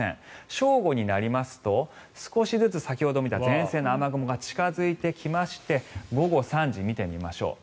正午になりますと少しずつ先ほど見た前線の雨雲が近付いてきまして午後３時、見ていきましょう。